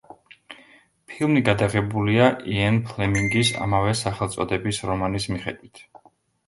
ფილმი გადაღებულია იენ ფლემინგის ამავე სახელწოდების რომანის მიხედვით.